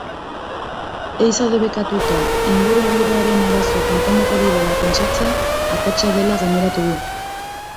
Ehiza debekatuta ingurugiroaren arazoak konponduko direla pentsatzea akatsa dela gaineratu du.